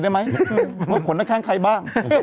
นี่ไม่ต้องห่วง